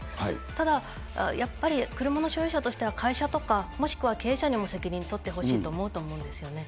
ただやっぱり車の所有者としては、会社とか、もしくは経営者にも責任取ってほしいと思うと思うんですよね。